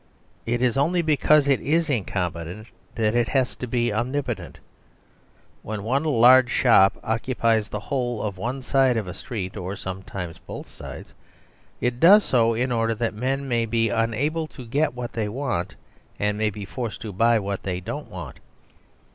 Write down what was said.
It is only because it is incompetent that it has to be omnipotent. When one large shop occupies the whole of one side of a street (or sometimes both sides), it does so in order that men may be unable to get what they want; and may be forced to buy what they don't want.